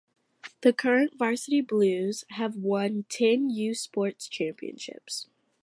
The current Varsity Blues have won ten U Sports Championships.